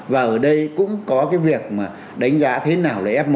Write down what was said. và ở đây cũng có cái việc mà đánh giá thế nào là f một